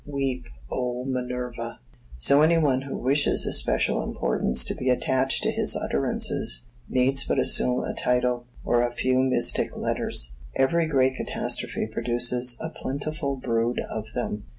Weep, O Minerva! So any one who wishes especial importance to be attached to his utterances, needs but assume a title, or a few mystic letters. Every great catastrophe produces a plentiful brood of them.